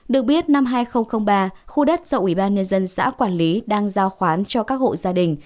được biết năm hai nghìn ba khu đất do ủy ban nhân dân xã quản lý đang giao khoán cho các hộ gia đình